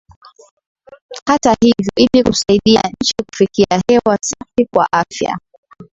Hata hivyo ili kusaidia nchi kufikia hewa safi kwa afya